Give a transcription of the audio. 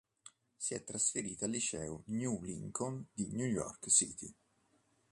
Si è trasferita al liceo New Lincoln di New York City.